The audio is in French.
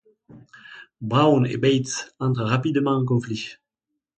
Brown et Bates entrent rapidement en conflit.